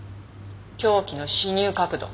凶器の刺入角度。